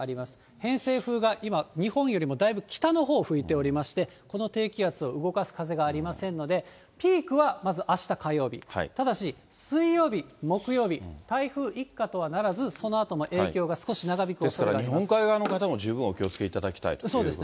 偏西風が今、日本よりもだいぶ北のほう、吹いておりまして、この低気圧を動かす風がありませんので、ピークはまずあした火曜日、ただし水曜日、木曜日、台風一過とはならず、ですから、日本海側の方も十分お気をつけいただきたいということですね。